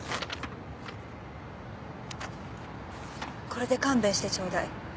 これで勘弁してちょうだい。